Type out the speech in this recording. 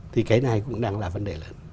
thì cái này cũng đang là vấn đề lớn